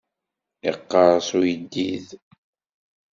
Iqqerṣ uyeddid.